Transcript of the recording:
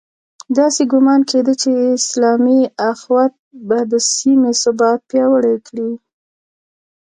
داسې ګومان کېده چې اسلامي اُخوت به د سیمې ثبات پیاوړی کړي.